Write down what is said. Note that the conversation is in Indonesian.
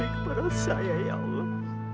kepada saya ya allah